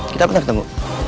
kita pernah ketemu